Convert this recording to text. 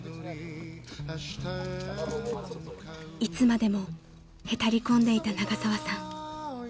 ［いつまでもへたり込んでいた永沢さん］